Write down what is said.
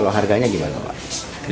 kalau harganya gimana pak